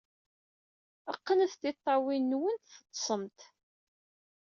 Qqnet tiṭṭawin-nwent, teḍḍsemt!